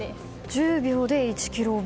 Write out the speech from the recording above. １０秒で１ｋｍ分。